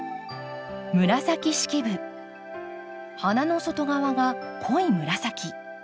花の外側が濃い紫。